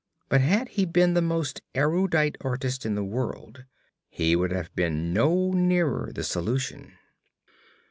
But had he been the most erudite artist in the world, he would have been no nearer the solution.